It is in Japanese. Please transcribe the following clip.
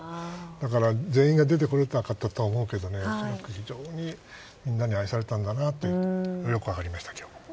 だから全員が出てこれなかったとは思うけど恐らく非常にみんなに愛されたんだなとよく分かりました、今日。